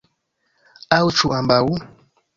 Aŭ ĉu ambaŭ?